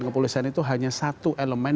kepolisian itu hanya satu elemen